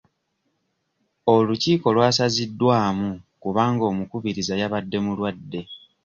Olukiiko lwasazidwamu kubanga omukubiriza yabadde mulwadde.